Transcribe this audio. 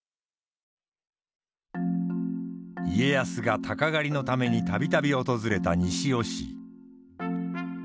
家康が鷹狩りのために度々訪れた西尾市。